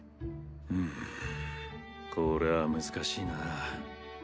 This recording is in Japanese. うんこれは難しいな。